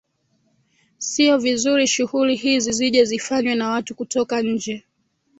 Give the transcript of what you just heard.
Sio vizuri shughuli hizi zije zifanywe na watu kutoka nje